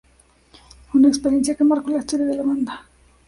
Una experiencia que marcó la historia de la banda.